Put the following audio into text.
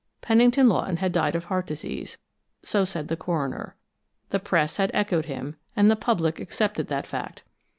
Pennington Lawton had died of heart disease, so said the coroner. The press had echoed him, and the public accepted that fact.